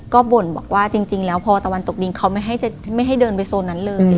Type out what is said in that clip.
ก็บ่นบอกว่าจริงแล้วพอตะวันตกดินเขาไม่ให้เดินไปโซนนั้นเลย